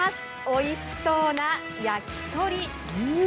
おいしそうな焼き鳥。